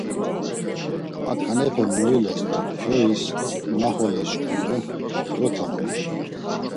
aǩanepe moiles do kyois naxolesşkule dotanu doren.